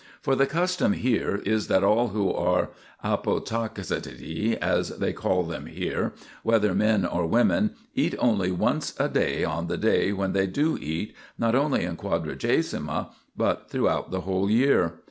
For the custom here is that all who are apotactitae, as they call them here, whether men or women, eat only once a day on 62 THE PILGRIMAGE OF ETHERIA the day when they do eat, not only in Quadragesima, but throughout the whole year.